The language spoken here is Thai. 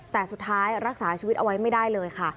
แต่สุดท้ายรักษาชีวิตเอาไว้ไม่ได้เลยค่ะ